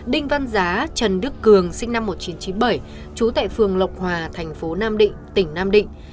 đinh văn giá trần đức cường sinh năm một nghìn chín trăm chín mươi bảy trú tại phường lộc hòa thành phố nam định tỉnh nam định